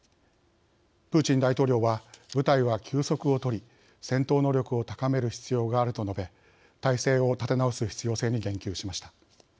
プーチン大統領は部隊は休息を取り戦闘能力を高める必要があると述べ、態勢を立て直す必要性に言及しました。